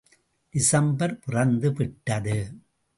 December பிறந்து விட்டது.